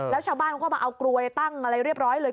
แล้วชาวบ้านเขาก็มาเอากลวยตั้งอะไรเรียบร้อยเลย